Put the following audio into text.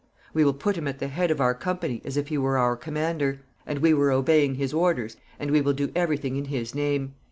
We will put him at the head of our company, as if he were our commander, and we were obeying his orders, and we will do every thing in his name.